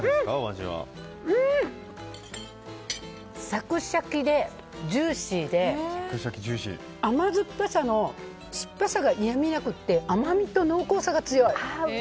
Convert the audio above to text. サクシャキでジューシーで甘酸っぱさの酸っぱさが嫌みなくって甘みと濃厚さが強い。